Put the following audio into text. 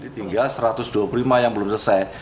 tinggal satu ratus dua puluh lima yang belum selesai